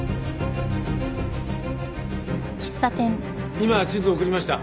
今地図送りました。